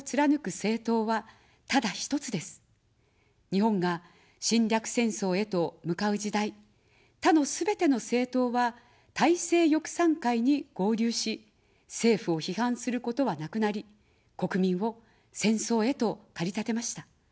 日本が侵略戦争へと向かう時代、他のすべての政党は大政翼賛会に合流し、政府を批判することはなくなり、国民を戦争へと駆り立てました。